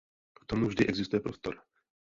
K tomu vždy existuje prostor.